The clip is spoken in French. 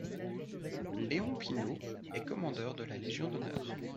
Léon Pineau est Commandeur de la Légion d'honneur.